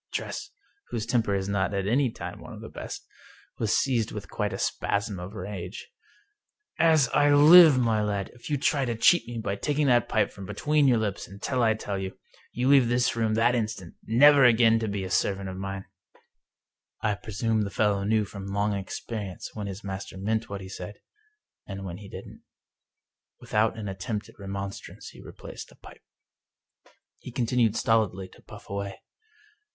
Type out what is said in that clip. Tress, whose temper is not at any time one of the best, was seized with quite a spasm of rage. 238 The Pipe "As I live, my lad, if you try to cheat me by taking that pipe from between your lips until I tell you, yoii leave this room that instant, never again to be a servant of mine." I presume the fellow knew from long experience when his master meant what he said, and when he didn't. With out an attempt at remonstrance he replaced the pipe. He continued stolidly to puff away.